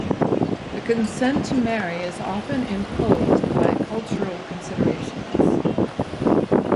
The consent to marry is often imposed by cultural considerations.